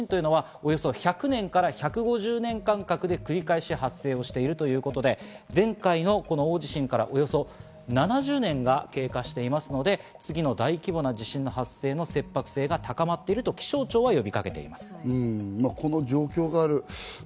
南海トラフ地震というのは、およそ１００年から１５０年間隔で繰り返し発生をしているということで、前回の大地震からおよそ７０年が経過していますので、次の大規模な地震の発生の切迫性が高まっていると気象庁は呼びかけています。